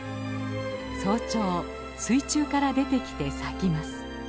早朝水中から出てきて咲きます。